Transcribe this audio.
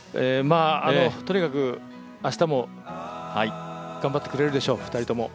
とにかく明日も頑張ってくれるでしょう、２人とも。